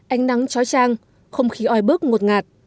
ánh nắng trói trang không khí oi bức ngột ngạt